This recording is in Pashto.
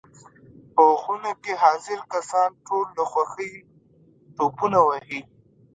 په خونه کې حاضر کسان ټول له خوښۍ ټوپونه وهي.